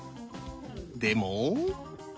でも。